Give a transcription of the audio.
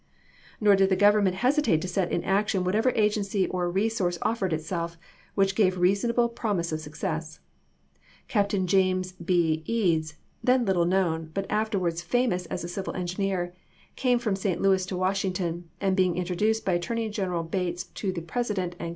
Nor did the Government hesitate to set in action whatever agency or resource offered itself, which gave reasonable promise of success. Cap tain James B. Eads, then little known, but after wards famous as a civil engineer, came from St. Louis to Washington, and being introduced by Attorney General Bates to the President and Cab Chap.